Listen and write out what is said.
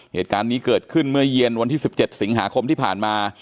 เหตุการณ์นี้เกิดขึ้นเมื่อเย็นวันที่๑๗สิงหาคมที่ผ่านมา